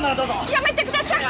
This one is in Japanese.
やめてください！